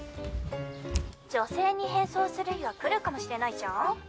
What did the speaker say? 女性に変装する日が来るかもしれないじゃん。